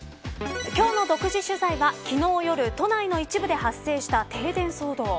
今日の独自取材は昨日夜、都内の一部で発生した停電騒動。